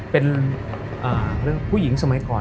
เป็นเรื่องผู้หญิงสมัยก่อน